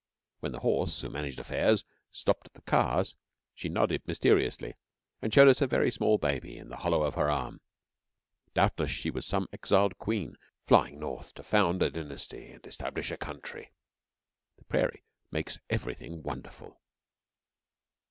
When the horse, who managed affairs, stopped at the cars, she nodded mysteriously, and showed us a very small baby in the hollow of her arm. Doubtless she was some exiled Queen flying North to found a dynasty and establish a country. The Prairie makes everything wonderful.